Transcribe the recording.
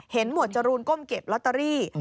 หมวดจรูนก้มเก็บลอตเตอรี่